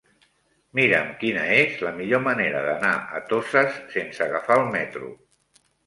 Mira'm quina és la millor manera d'anar a Toses sense agafar el metro.